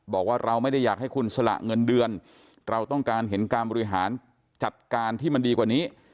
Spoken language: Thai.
บอกว่าเราไม่ได้อยากให้คุณสละเงินเดือนเราต้องการเห็นการบริหารจัดการที่มันดีกว่านี้